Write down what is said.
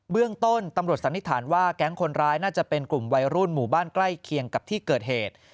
เรื่องต้นตำรวจสันนิษฐานว่าแก๊งคนร้ายน่าจะเป็นกลุ่มวัยรุ่นหมู่บ้านใกล้เคียงกับที่เกิดเหตุ